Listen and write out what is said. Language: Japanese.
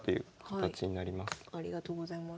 ありがとうございます。